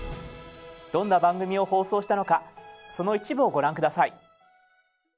どんな番組を放送したのかその一部をご覧下さい。